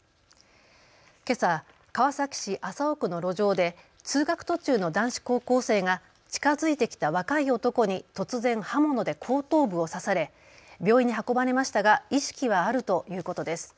けさ川崎市麻生区の路上で通学途中の男子高校生が近づいてきた若い男に突然刃物で後頭部を刺され病院に運ばれましたが意識はあるということです。